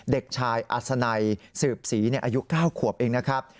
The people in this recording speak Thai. เด็กชายอัศนัยสืบศรีอายุ๙ขวบเองนะครับ